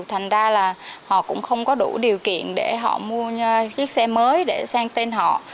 thành ra là họ cũng không có đủ điều kiện để họ mua chiếc xe mới để sang tên họ